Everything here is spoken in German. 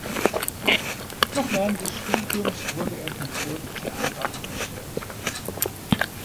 Noch während des Studiums wurde er vom Burgtheater engagiert.